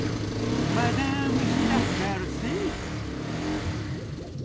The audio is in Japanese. マダーム飛田メルシー。